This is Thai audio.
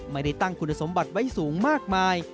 ไม่ได้ตั้งคุณสมบัติไว้สูงมากมาย